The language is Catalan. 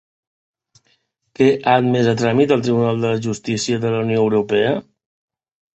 Què ha admès a tràmit el Tribunal de Justícia de la Unió Europea?